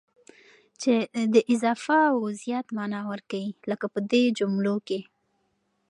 چي د اضافه او زيات مانا ور کوي، لکه په دې جملو کي: